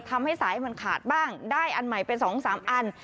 ทำให้สายมันขาดบ้างได้อันใหม่เป็น๒๓อัน